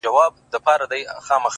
• د آرزو له پېغلو سترګو یوه اوښکه ,